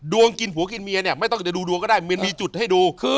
ดวงกินผัวกินเมียไม่ต้องดูถูกก็ได้มันมีจุดไหลดู